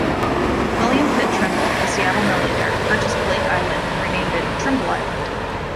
William Pitt Trimble, a Seattle millionaire, purchased Blake island, and renamed it Trimble Island.